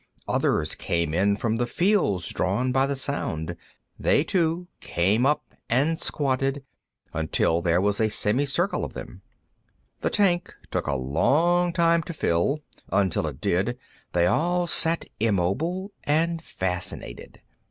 Others came in from the fields, drawn by the sound. They, too, came up and squatted, until there was a semicircle of them. The tank took a long time to fill; until it did, they all sat immobile and fascinated.